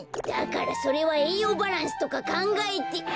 だからそれはえいようバランスとかかんがえて。